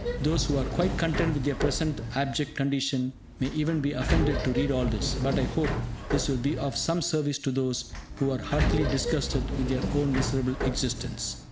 Those who are quite content with their present abject condition may even be offended to read all this; but I hope this will be of some service to those who are heartily disgusted with their own miserable existence.